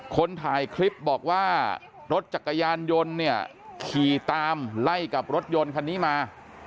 คนถ่ายคลิปบอกว่ารถจักรยานยนต์เนี่ยขี่ตามไล่กับรถยนต์คันนี้มา